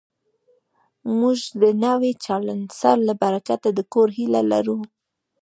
موږ د نوي چانسلر له برکته د کور هیله لرو